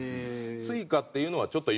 『スイカ』っていうのはちょっと